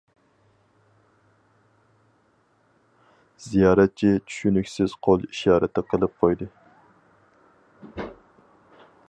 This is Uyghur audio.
زىيارەتچى چۈشىنىكسىز قول ئىشارىتى قىلىپ قويدى.